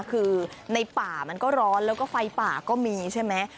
คือในป่ามันก็ร้อนแล้วก็ไฟป่าก็มีใช่ไหม